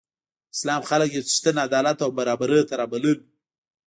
اسلام خلک یو څښتن، عدالت او برابرۍ ته رابلل.